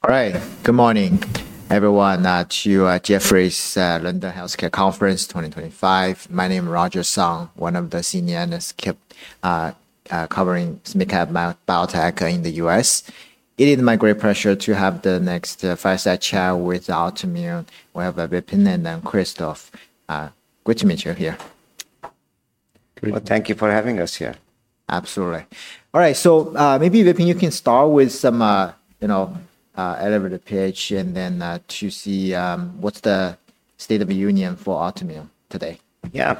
All right. Good morning, everyone, to Jeffrey's London Healthcare Conference 2025. My name is Roger Song, one of the Senior Analysts covering SMID Cap Biotech in the U.S.. It is my great pleasure to have the next fireside chat with Altimmune, who have Vipin and then Christophe. Good to meet you here. Thank you for having us here. Absolutely. All right, so maybe Vipin, you can start with some elevated pitch and then to see what's the state of the union for Altimmune today. Yeah,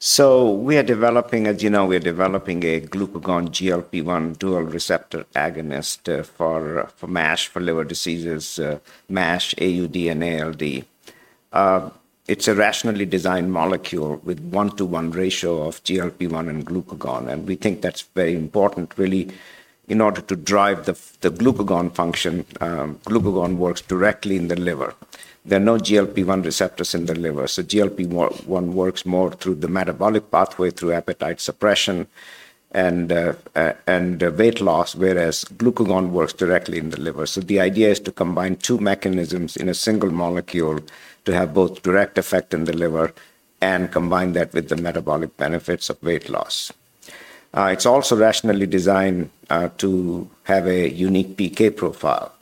so we are developing, as you know, we are developing a glucagon GLP-1 dual receptor agonist for MASH, for liver diseases, MASH, AUD, and ALD. It's a rationally designed molecule with a one-to-one ratio of GLP-1 and glucagon. We think that's very important, really, in order to drive the glucagon function. Glucagon works directly in the liver. There are no GLP-1 receptors in the liver. GLP-1 works more through the metabolic pathway, through appetite suppression and weight loss, whereas glucagon works directly in the liver. The idea is to combine two mechanisms in a single molecule to have both direct effect in the liver and combine that with the metabolic benefits of weight loss. It's also rationally designed to have a unique PK profile.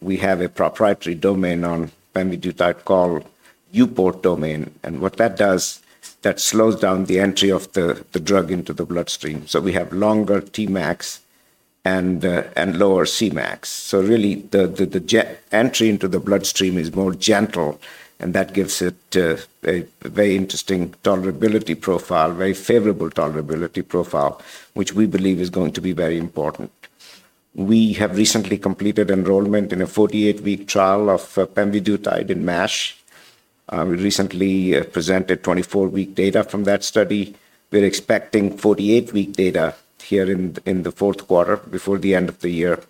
We have a proprietary domain on pemvidutide called EuPort domain. What that does, that slows down the entry of the drug into the bloodstream. We have longer Tmax and lower Cmax. Really, the entry into the bloodstream is more gentle. That gives it a very interesting tolerability profile, a very favorable tolerability profile, which we believe is going to be very important. We have recently completed enrollment in a 48-week trial of pemvidutide in MASH. We recently presented 24-week data from that study. We're expecting 48-week data here in the fourth quarter before the end of the year.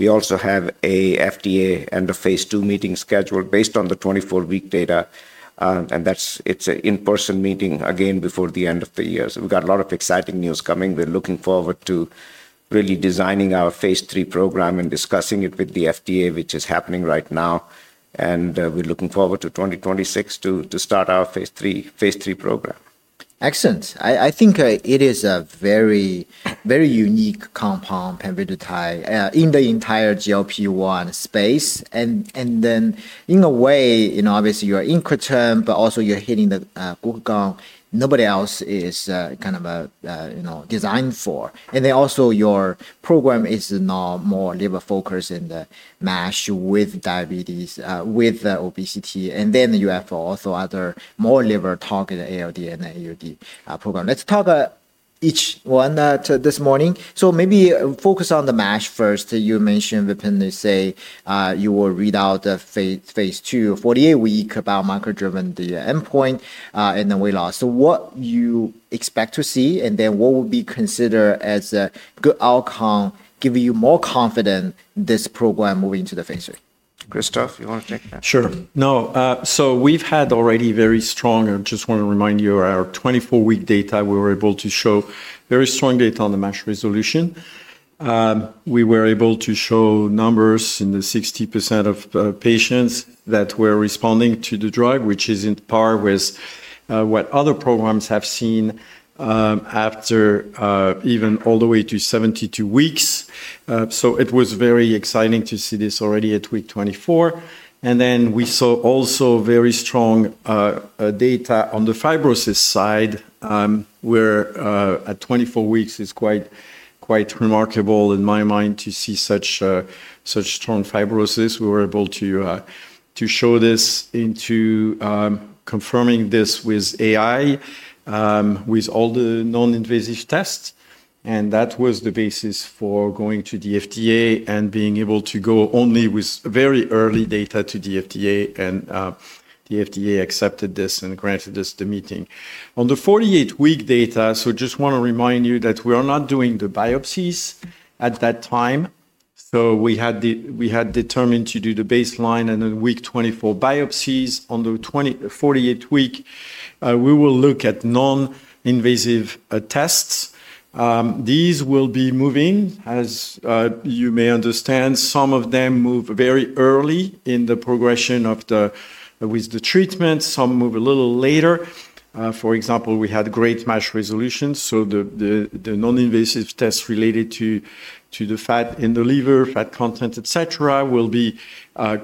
We also have an FDA end-of-phase two meeting scheduled based on the 24-week data. It's an in-person meeting again before the end of the year. We've got a lot of exciting news coming. We're looking forward to really designing our phase three program and discussing it with the FDA, which is happening right now. We are looking forward to 2026 to start our phase three program. Excellent. I think it is a very unique compound, pemvidutide, in the entire GLP-1 space. In a way, obviously, you are in GLP-1, but also you are hitting the glucagon nobody else is kind of designed for. Also, your program is now more liver-focused in the MASH with diabetes, with obesity. You have also other more liver-targeted ALD and AUD program. Let's talk each one this morning. Maybe focus on the MASH first. You mentioned, Vipin, you say you will read out the phase two, 48-week biomarker-driven endpoint and the weight loss. What do you expect to see and what would be considered as a good outcome giving you more confidence in this program moving to the phase three? Christophe, you want to take that? Sure. No, so we've had already very strong, I just want to remind you, our 24-week data, we were able to show very strong data on the MASH resolution. We were able to show numbers in the 60% of patients that were responding to the drug, which is in par with what other programs have seen after even all the way to 72 weeks. It was very exciting to see this already at week 24. We saw also very strong data on the fibrosis side, where at 24 weeks is quite remarkable in my mind to see such strong fibrosis. We were able to show this into confirming this with AI, with all the non-invasive tests. That was the basis for going to the FDA and being able to go only with very early data to the FDA. The FDA accepted this and granted us the meeting. On the 48-week data, I just want to remind you that we are not doing the biopsies at that time. We had determined to do the baseline and then week 24 biopsies. On the 48-week, we will look at non-invasive tests. These will be moving, as you may understand, some of them move very early in the progression with the treatment, some move a little later. For example, we had great MASH resolutions. The non-invasive tests related to the fat in the liver, fat content, et cetera, will be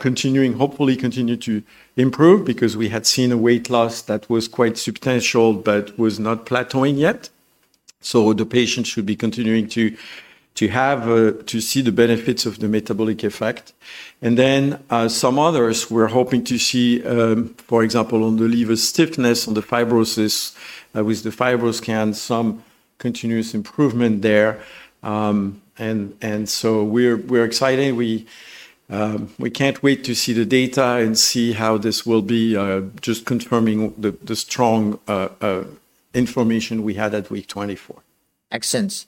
continuing, hopefully continue to improve because we had seen a weight loss that was quite substantial, but was not plateauing yet. The patient should be continuing to see the benefits of the metabolic effect. Some others were hoping to see, for example, on the liver stiffness, on the fibrosis with the FibroScan, some continuous improvement there. We are excited. We cannot wait to see the data and see how this will be, just confirming the strong information we had at week 24. Excellent.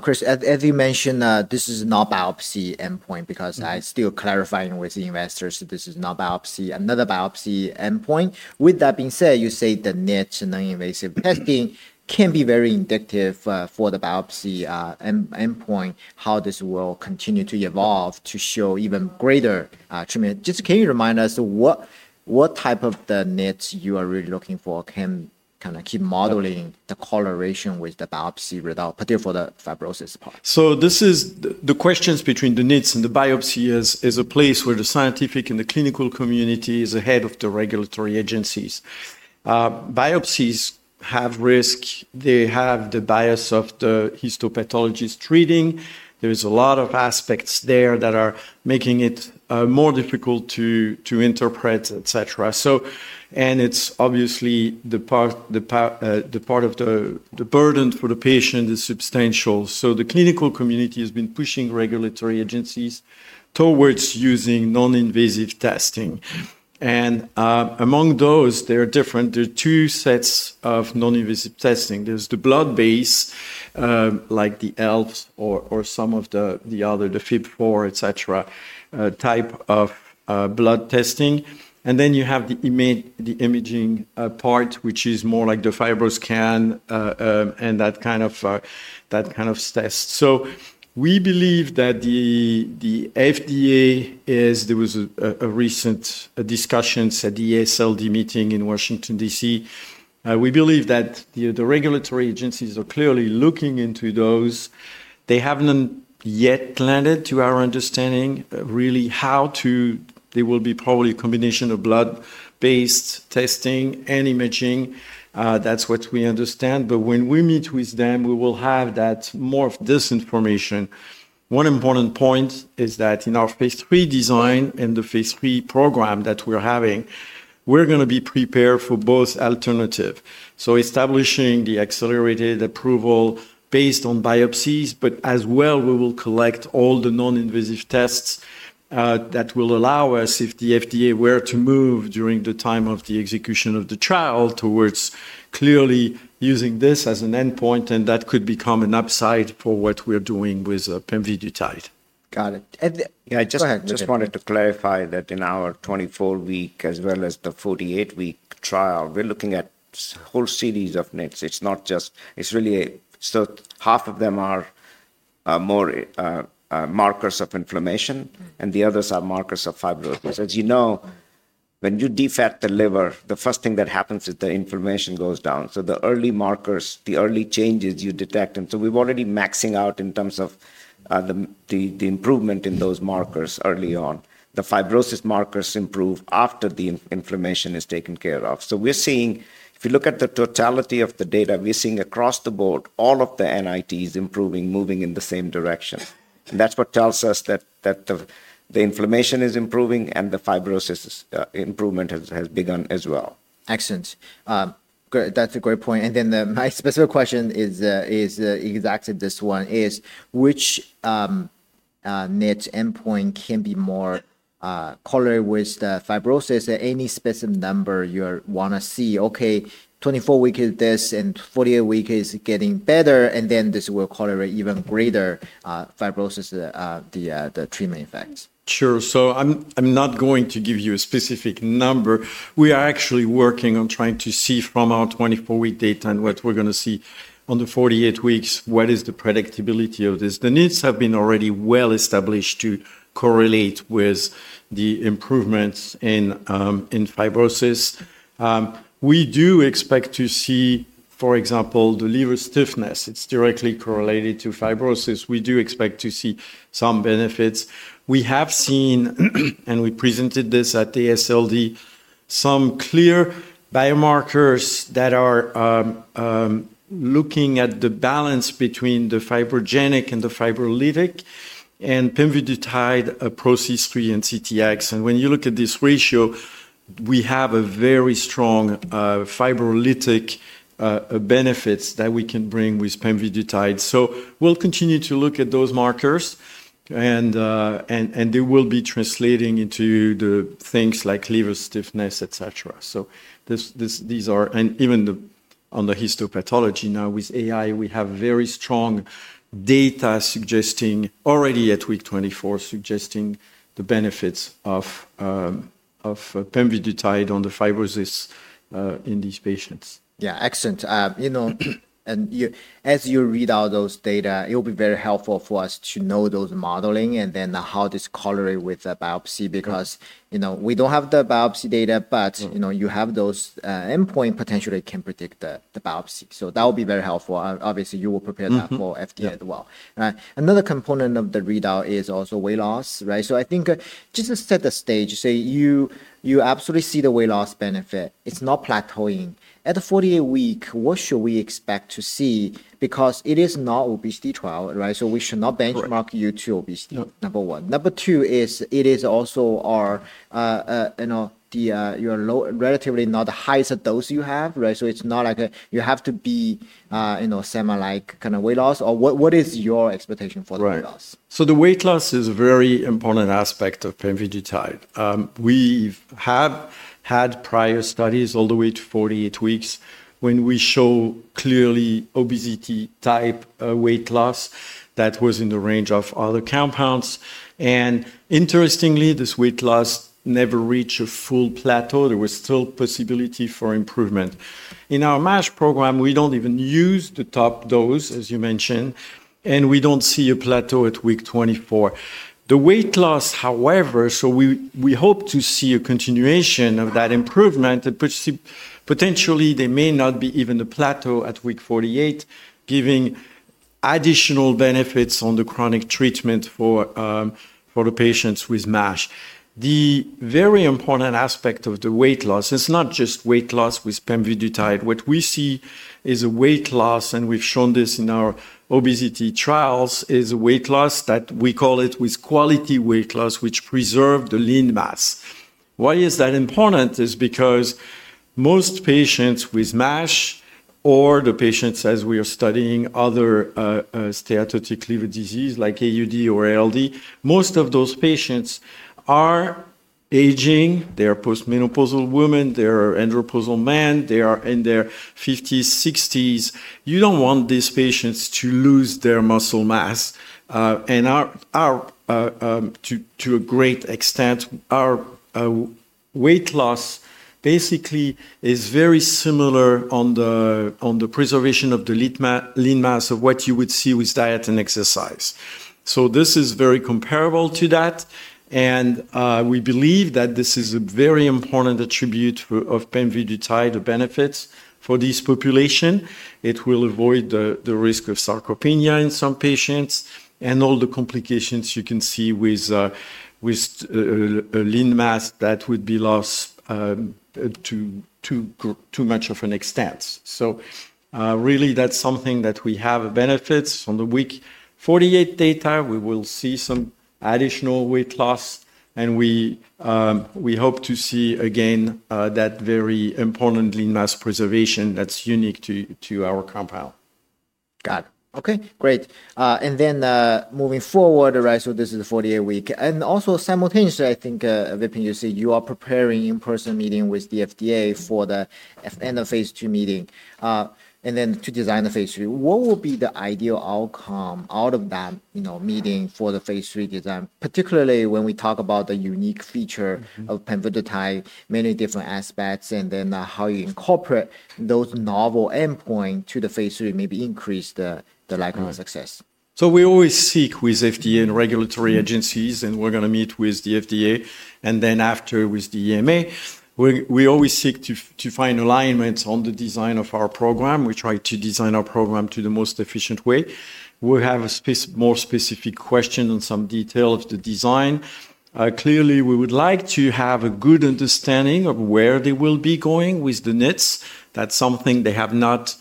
Chris, as you mentioned, this is not biopsy endpoint because I'm still clarifying with the investors that this is not biopsy, another biopsy endpoint. With that being said, you say the NITs non-invasive testing can be very indicative for the biopsy endpoint, how this will continue to evolve to show even greater treatment. Just can you remind us what type of the NITs you are really looking for, can kind of keep modeling the correlation with the biopsy result, particularly for the fibrosis part? This is the questions between the NITs and the biopsy is a place where the scientific and the clinical community is ahead of the regulatory agencies. Biopsies have risk. They have the bias of the histopathologist treating. There is a lot of aspects there that are making it more difficult to interpret, et cetera. It is obviously the part of the burden for the patient is substantial. The clinical community has been pushing regulatory agencies towards using non-invasive testing. Among those, they are different. There are two sets of non-invasive testing. There is the blood-based, like the ELF or some of the other, the FIB4, et cetera, type of blood testing. Then you have the imaging part, which is more like the FibroScan and that kind of test. We believe that the FDA is, there was a recent discussion at the AASLD meeting in Washington, D.C. We believe that the regulatory agencies are clearly looking into those. They haven't yet landed, to our understanding, really how to, there will be probably a combination of blood-based testing and imaging. That's what we understand. When we meet with them, we will have that more. This information. One important point is that in our phase three design and the phase three program that we're having, we're going to be prepared for both alternatives. Establishing the accelerated approval based on biopsies, but as well, we will collect all the non-invasive tests that will allow us, if the FDA were to move during the time of the execution of the trial towards clearly using this as an endpoint, and that could become an upside for what we're doing with pemvidutide. Got it. I just wanted to clarify that in our 24-week, as well as the 48-week trial, we're looking at a whole series of NITs. It's not just, it's really half of them are more markers of inflammation, and the others are markers of fibrosis. As you know, when you defat the liver, the first thing that happens is the inflammation goes down. The early markers, the early changes you detect. We've already maxing out in terms of the improvement in those markers early on. The fibrosis markers improve after the inflammation is taken care of. If you look at the totality of the data, we're seeing across the board, all of the NITs improving, moving in the same direction. That's what tells us that the inflammation is improving and the fibrosis improvement has begun as well. Excellent. That's a great point. My specific question is exactly this one: which NIT endpoint can be more correlated with the fibrosis? Any specific number you want to see, okay, 24 weeks is this and 48 weeks is getting better, and then this will correlate even greater fibrosis, the treatment effects? Sure. I'm not going to give you a specific number. We are actually working on trying to see from our 24-week data and what we're going to see on the 48 weeks, what is the predictability of this. The NITs have been already well established to correlate with the improvements in fibrosis. We do expect to see, for example, the liver stiffness. It's directly correlated to fibrosis. We do expect to see some benefits. We have seen, and we presented this at AASLD, some clear biomarkers that are looking at the balance between the fibrogenic and the fibrolytic and pemvidutide, PRO-C3, and CTX. When you look at this ratio, we have a very strong fibrolytic benefits that we can bring with pemvidutide. We'll continue to look at those markers, and they will be translating into the things like liver stiffness, et cetera. These are, and even on the histopathology now with AI, we have very strong data already at week 24 suggesting the benefits of pemvidutide on the fibrosis in these patients. Yeah, excellent. As you read out those data, it will be very helpful for us to know those modeling and then how this correlates with the biopsy because we do not have the biopsy data, but you have those endpoints that potentially can predict the biopsy. That will be very helpful. Obviously, you will prepare that for FDA as well. Another component of the readout is also weight loss. I think just to set the stage, you absolutely see the weight loss benefit. It is not plateauing. At the 48-week, what should we expect to see? Because it is not an obesity trial, we should not benchmark you to obesity, number one. Number two is it is also not the highest dose you have. It is not like you have to be semi-like kind of weight loss or what is your expectation for the weight loss? Right. The weight loss is a very important aspect of pemvidutide. We have had prior studies all the way to 48 weeks when we show clearly obesity-type weight loss that was in the range of other compounds. Interestingly, this weight loss never reached a full plateau. There was still possibility for improvement. In our MASH program, we do not even use the top dose, as you mentioned, and we do not see a plateau at week 24. The weight loss, however, so we hope to see a continuation of that improvement, but potentially there may not be even a plateau at week 48, giving additional benefits on the chronic treatment for the patients with MASH. The very important aspect of the weight loss, it is not just weight loss with pemvidutide. What we see is a weight loss, and we've shown this in our obesity trials, is a weight loss that we call it with quality weight loss, which preserves the lean mass. Why is that important? It's because most patients with MASH or the patients as we are studying other steatosis liver disease like AUD or ALD, most of those patients are aging. They are post-menopausal women. They are andropausal men. They are in their 50s, 60s. You don't want these patients to lose their muscle mass. To a great extent, our weight loss basically is very similar on the preservation of the lean mass of what you would see with diet and exercise. This is very comparable to that. We believe that this is a very important attribute of pemvidutide, the benefits for this population. It will avoid the risk of sarcopenia in some patients and all the complications you can see with lean mass that would be lost too much of an extent. That is something that we have benefits on the week 48 data. We will see some additional weight loss, and we hope to see again that very important lean mass preservation that is unique to our compound. Got it. Okay, great. Moving forward, right, this is the 48-week. Also, simultaneously, I think Vipin just said you are preparing in-person meeting with the FDA for the end of phase two meeting and then to design the phase three. What will be the ideal outcome out of that meeting for the phase three design, particularly when we talk about the unique feature of pemvidutide, many different aspects, and then how you incorporate those novel endpoints to the phase three, maybe increase the likelihood of success? We always seek with FDA and regulatory agencies, and we're going to meet with the FDA. After with the EMA, we always seek to find alignments on the design of our program. We try to design our program to the most efficient way. We have more specific questions on some details of the design. Clearly, we would like to have a good understanding of where they will be going with the NITs. That's something they have not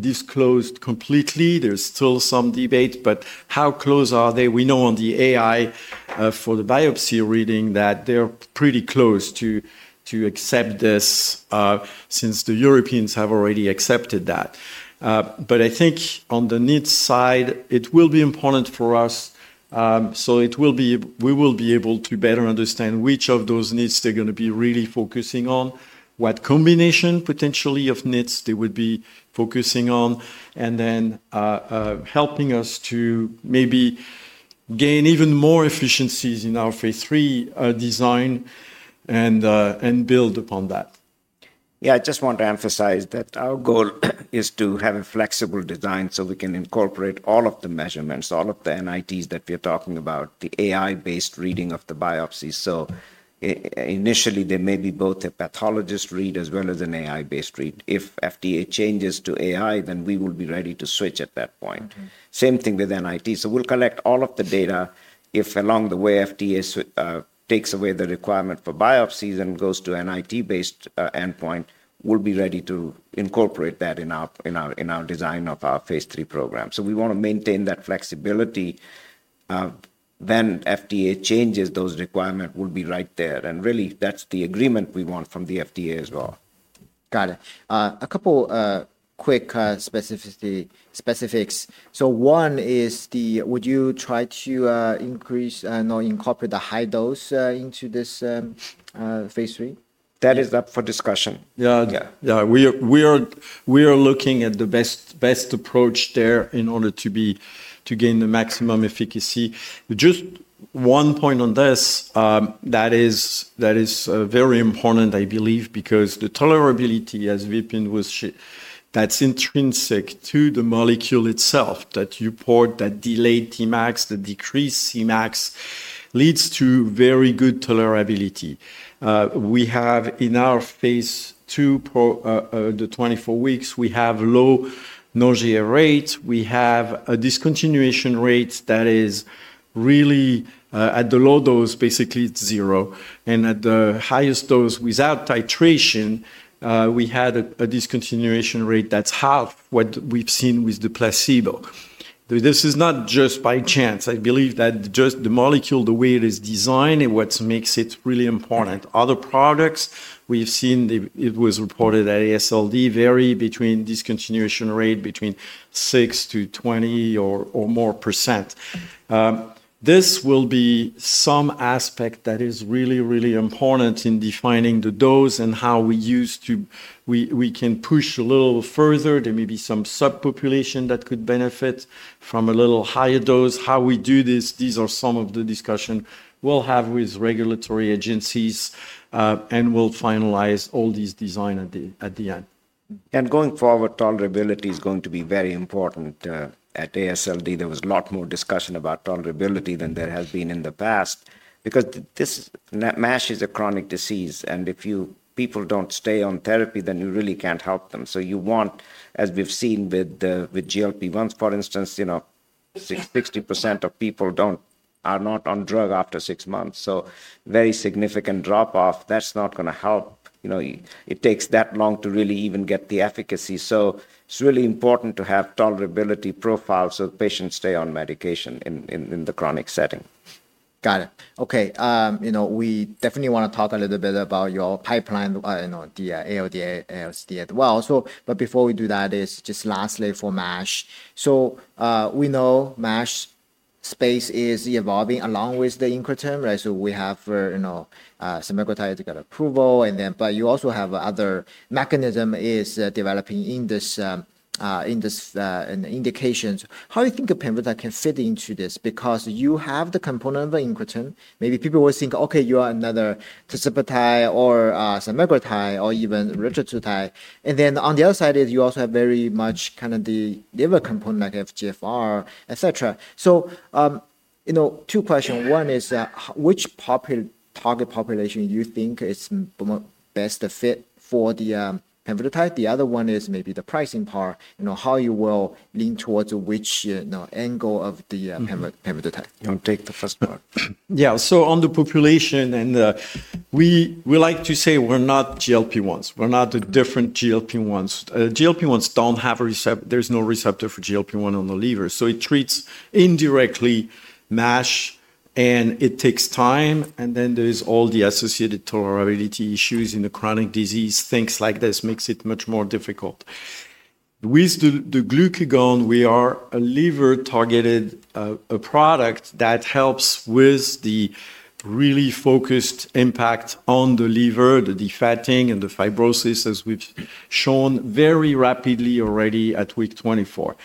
disclosed completely. There's still some debate, but how close are they? We know on the AI for the biopsy reading that they're pretty close to accept this since the Europeans have already accepted that. I think on the NITs side, it will be important for us. We will be able to better understand which of those NITs they're going to be really focusing on, what combination potentially of NITs they would be focusing on, and then helping us to maybe gain even more efficiencies in our phase three design and build upon that. Yeah, I just want to emphasize that our goal is to have a flexible design so we can incorporate all of the measurements, all of the NITs that we are talking about, the AI-based reading of the biopsy. Initially, there may be both a pathologist read as well as an AI-based read. If FDA changes to AI, then we will be ready to switch at that point. Same thing with NIT. We will collect all of the data. If along the way, FDA takes away the requirement for biopsies and goes to NIT-based endpoint, we will be ready to incorporate that in our design of our phase three program. We want to maintain that flexibility. If FDA changes those requirements, we will be right there. Really, that's the agreement we want from the FDA as well. Got it. A couple of quick specifics. One is, would you try to increase or incorporate the high dose into this phase three? That is up for discussion. Yeah. We are looking at the best approach there in order to gain the maximum efficacy. Just one point on this that is very important, I believe, because the tolerability, as Vipin was, that's intrinsic to the molecule itself, that EuPort, that delayed Tmax, that decreased Cmax leads to very good tolerability. We have in our phase two, the 24 weeks, we have low nausea rate. We have a discontinuation rate that is really at the low dose, basically it's zero. At the highest dose without titration, we had a discontinuation rate that's half what we've seen with the placebo. This is not just by chance. I believe that just the molecule, the way it is designed, and what makes it really important. Other products, we've seen it was reported at AASLD, vary between discontinuation rate between 6%-20% or more. This will be some aspect that is really, really important in defining the dose and how we use to we can push a little further. There may be some subpopulation that could benefit from a little higher dose. How we do this, these are some of the discussions we'll have with regulatory agencies, and we'll finalize all these designs at the end. Going forward, tolerability is going to be very important at AASLD. There was a lot more discussion about tolerability than there has been in the past because MASH is a chronic disease, and if people don't stay on therapy, then you really can't help them. You want, as we've seen with GLP-1s, for instance, 60% of people are not on drug after six months. Very significant drop-off. That's not going to help. It takes that long to really even get the efficacy. It's really important to have tolerability profiles so the patients stay on medication in the chronic setting. Got it. Okay. We definitely want to talk a little bit about your pipeline, the ALD, AASLD as well. Before we do that, just lastly for MASH. We know MASH space is evolving along with the Incretin. We have semaglutide got approval, but you also have other mechanisms developing in this indications. How do you think pemvidutide can fit into this? Because you have the component of incretin. Maybe people will think, okay, you are another tirzepatide or semaglutide or even retatrutide. And then on the other side is you also have very much kind of the liver component like FGFR, et cetera. Two questions. One is which target population you think is the best fit for the pemvidutide? The other one is maybe the pricing part, how you will lean towards which angle of the pemvidutide. I'll take the first part. Yeah. On the population, we like to say we're not GLP-1s. We're not the different GLP-1s. GLP-1s don't have a receptor. There's no receptor for GLP-1 on the liver. It treats indirectly MASH, and it takes time. There are all the associated tolerability issues in the chronic disease. Things like this make it much more difficult. With the glucagon, we are a liver-targeted product that helps with the really focused impact on the liver, the defatting and the fibrosis, as we've shown very rapidly already at week 24.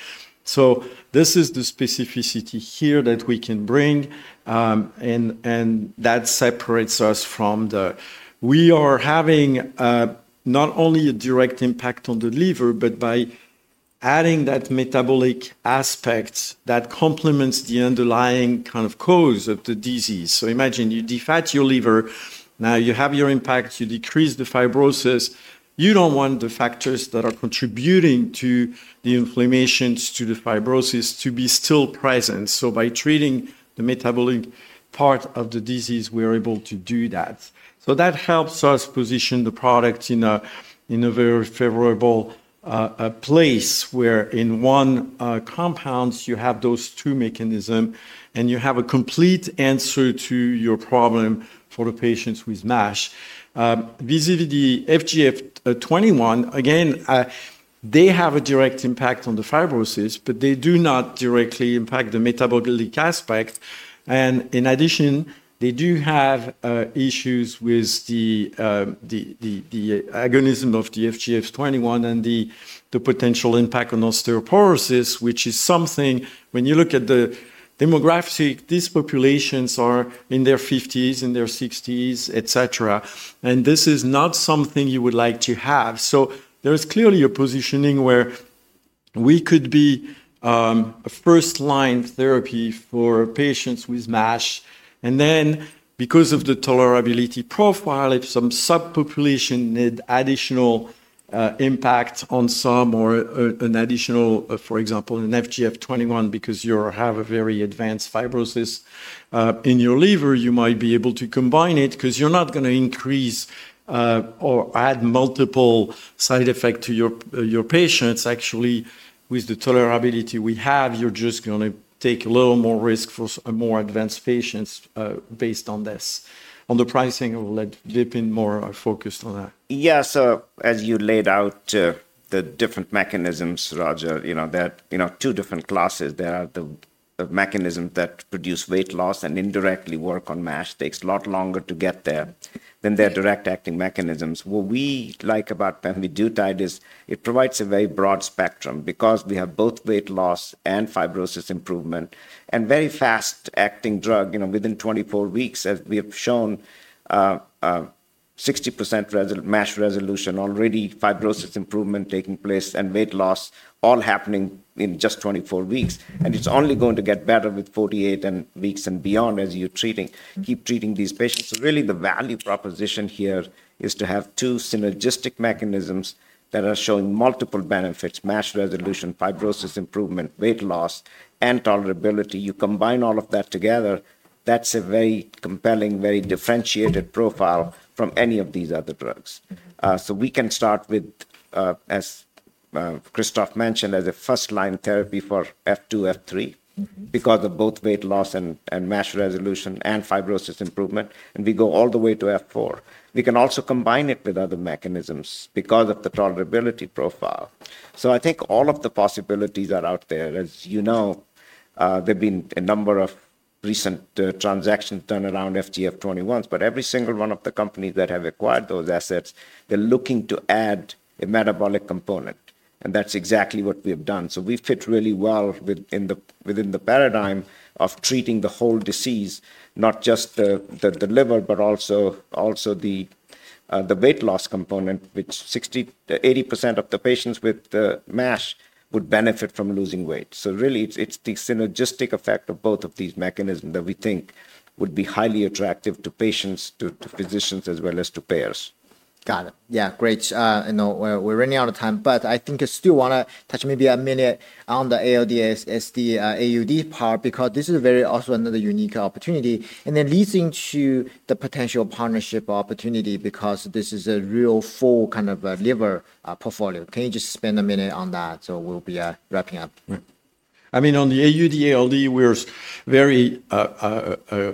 This is the specificity here that we can bring, and that separates us. We are having not only a direct impact on the liver, but by adding that metabolic aspect that complements the underlying kind of cause of the disease. Imagine you defat your liver. Now you have your impact. You decrease the fibrosis. You don't want the factors that are contributing to the inflammations to the fibrosis to be still present. By treating the metabolic part of the disease, we are able to do that. That helps us position the product in a very favorable place where in one compound, you have those two mechanisms, and you have a complete answer to your problem for the patients with MASH. Vis-à-vis the FGF21, again, they have a direct impact on the fibrosis, but they do not directly impact the metabolic aspect. In addition, they do have issues with the agonism of the FGF21 and the potential impact on osteoporosis, which is something when you look at the demographic, these populations are in their 50s, in their 60s, et cetera. This is not something you would like to have. There is clearly a positioning where we could be a first-line therapy for patients with MASH. Because of the tolerability profile, if some subpopulation need additional impact on some or an additional, for example, an FGF21, because you have a very advanced fibrosis in your liver, you might be able to combine it because you're not going to increase or add multiple side effects to your patients. Actually, with the tolerability we have, you're just going to take a little more risk for more advanced patients based on this. On the pricing, Vipin more focused on that. Yeah. As you laid out the different mechanisms, Roger, there are two different classes. There are the mechanisms that produce weight loss and indirectly work on MASH. It takes a lot longer to get there than their direct-acting mechanisms. What we like about pemvidutide is it provides a very broad spectrum because we have both weight loss and fibrosis improvement and very fast-acting drug within 24 weeks, as we have shown, 60% MASH resolution already, fibrosis improvement taking place, and weight loss all happening in just 24 weeks. It is only going to get better with 48 weeks and beyond as you keep treating these patients. Really, the value proposition here is to have two synergistic mechanisms that are showing multiple benefits: MASH resolution, fibrosis improvement, weight loss, and tolerability. You combine all of that together, that's a very compelling, very differentiated profile from any of these other drugs. We can start with, as Christophe mentioned, as a first-line therapy for F2, F3 because of both weight loss and MASH resolution and fibrosis improvement. We go all the way to F4. We can also combine it with other mechanisms because of the tolerability profile. I think all of the possibilities are out there. As you know, there have been a number of recent transactions done around FGF21s, but every single one of the companies that have acquired those assets, they're looking to add a metabolic component. That's exactly what we have done. We fit really well within the paradigm of treating the whole disease, not just the liver, but also the weight loss component, which 80% of the patients with MASH would benefit from losing weight. It is the synergistic effect of both of these mechanisms that we think would be highly attractive to patients, to physicians, as well as to payers. Got it. Yeah, great. We're running out of time, but I think I still want to touch maybe a minute on the ALD, AUD part because this is also another unique opportunity and then leading to the potential partnership opportunity because this is a real full kind of liver portfolio. Can you just spend a minute on that? We'll be wrapping up. I mean, on the AUD, ALD, we're very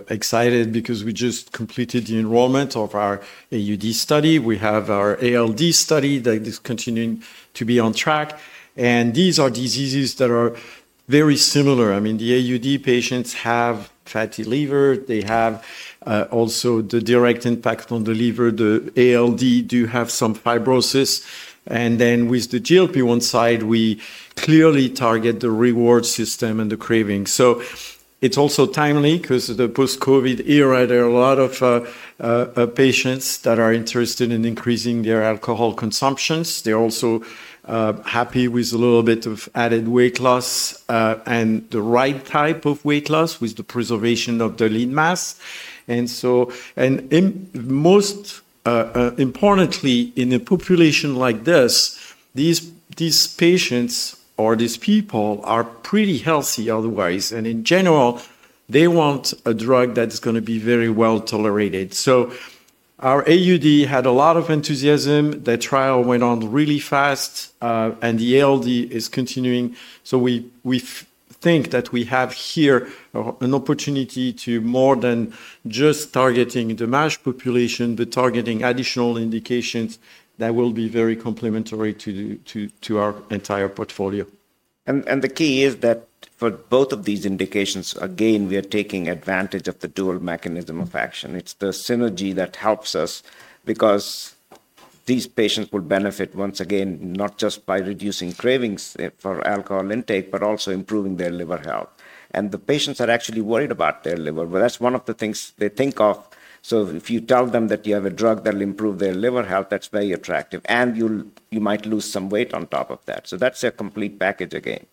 excited because we just completed the enrollment of our AUD study. We have our ALD study that is continuing to be on track. These are diseases that are very similar. I mean, the AUD patients have fatty liver. They have also the direct impact on the liver. The ALD do have some fibrosis. With the GLP-1 side, we clearly target the reward system and the craving. It is also timely because of the post-COVID era, there are a lot of patients that are interested in increasing their alcohol consumptions. They're also happy with a little bit of added weight loss and the right type of weight loss with the preservation of the lean mass. Most importantly, in a population like this, these patients or these people are pretty healthy otherwise. In general, they want a drug that's going to be very well tolerated. Our AUD had a lot of enthusiasm. The trial went on really fast, and the ALD is continuing. We think that we have here an opportunity to more than just targeting the MASH population, but targeting additional indications that will be very complementary to our entire portfolio. The key is that for both of these indications, again, we are taking advantage of the dual mechanism of action. It's the synergy that helps us because these patients will benefit once again, not just by reducing cravings for alcohol intake, but also improving their liver health. The patients are actually worried about their liver. That's one of the things they think of. If you tell them that you have a drug that will improve their liver health, that's very attractive. You might lose some weight on top of that. That's a complete package again.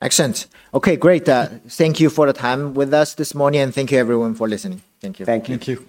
Excellent. Okay, great. Thank you for the time with us this morning. Thank you, everyone, for listening. Thank you. Thank you.